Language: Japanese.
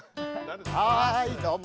はいどうも。